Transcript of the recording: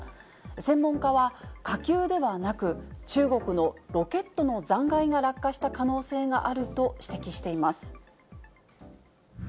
専門家は、火球ではなく、中国のロケットの残骸が落下した可能性があると指摘しています。